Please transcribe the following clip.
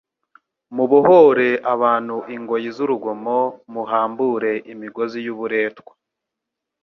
Mubohore abantu ingoyi z'urugomo, muhambure imigozi y'uburetwa...